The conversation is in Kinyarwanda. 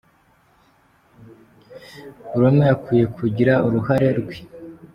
Buri umwe akwiye kugira uruhare rwe.